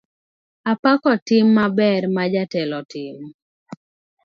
Apako tim maber ma jatelo otimo.